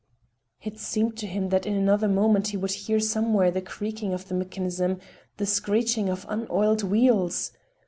It seemed to him that in another moment he would hear somewhere the creaking of the mechanism, the screeching of unoiled wheels.